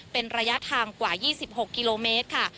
เป็นระยะทางกว่า๒๖กิโลเมตรค่ะ